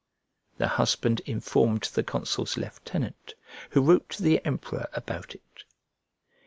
The husband informed the consul's lieutenant, who wrote to the emperor about it.